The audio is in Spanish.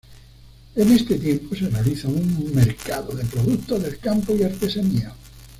En este tiempo se realiza un mercado de productos del campo y artesanía.